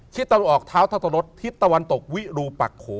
ชิดตระวนออกท้าวเทศรสชิดตระวนตกวิรูปักโข